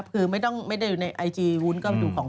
พี่โฮงงวงนอนใช่ไหมตกลง